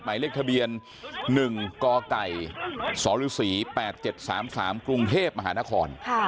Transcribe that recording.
หมายเลขทะเบียน๑กไก่สรศรี๘๗๓๓กรุงเทพมหานคร